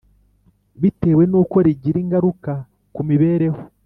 Bitewe n’uko rigira ingaruka ku mibereho